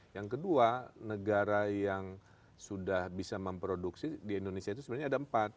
yang kedua negara yang sudah bisa memproduksi di indonesia itu sebenarnya ada empat